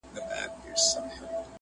o مات لاس د غاړي امېل دئ٫